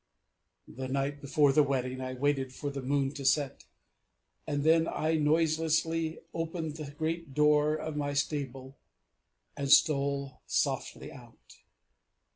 The night before the wedding I waited for the moon to set, and then I noiselessly opened the great door of my stable, and stole softly out.